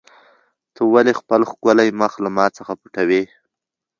ته ولې خپل ښکلی مخ له ما څخه پټوې؟